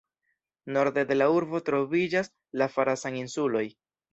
Norde de la urbo troviĝas la Farasan-insuloj.